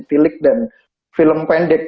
tilik dan film pendek